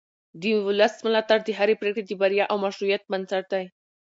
د ولس ملاتړ د هرې پرېکړې د بریا او مشروعیت بنسټ دی